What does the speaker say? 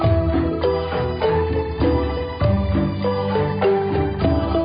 ที่สุดท้ายที่สุดท้ายที่สุดท้าย